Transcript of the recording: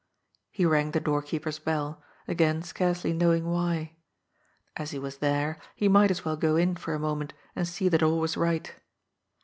He rang the door keeper's bell, again scarcely knowing why. As he was there, he might as well go in for a mo ment, and see that all was right.